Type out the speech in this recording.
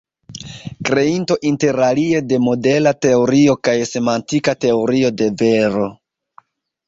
Kreinto interalie de modela teorio kaj semantika teorio de vero.